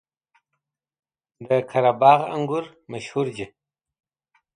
د قره باغ انګور مشهور دي